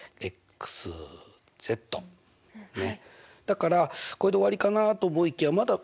だからこれで終わりかなと思いきやまだ